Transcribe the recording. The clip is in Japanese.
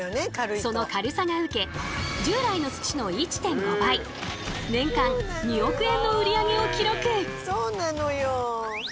その軽さがウケ従来の土の１．５倍年間２億円の売り上げを記録！